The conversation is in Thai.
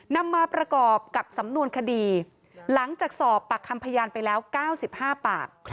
นำมาประกอบกับสำนวนคดีหลังจากสอบปากคำพยานไปแล้ว๙๕ปาก